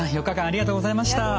４日間ありがとうございました。